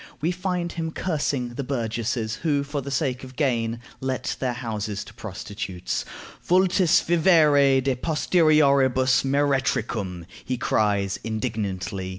We find him cursing the "burgesses" who, for the sake of gain, let their houses to prostitutes: "Vultis vivere de posterioribus meretricum," he cries, indignantly.